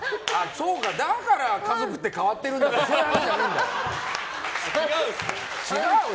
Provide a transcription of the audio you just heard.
そうかだから家族って変わってるってそんな話じゃないんだよ！